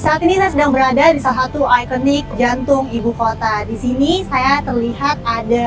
saat ini sedang berada di salah satu ikonik jantung ibukota disini saya terlihat ada